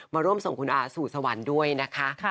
มาร่วมส่งคุณอาสู่สวรรค์ด้วยนะคะ